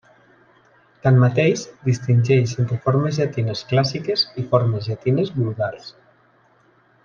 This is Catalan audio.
Tanmateix, distingeix entre formes llatines clàssiques i formes llatines vulgars.